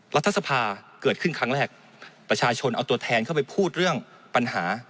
รัฐสภาเกิดขึ้นครั้งแรกประชาชนเอาตัวแทนเข้าไปพูดเรื่องปัญหา